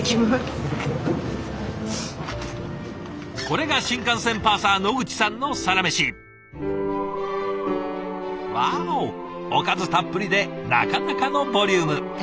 これが新幹線パーサー野口さんのサラメシ。わおおかずたっぷりでなかなかのボリューム。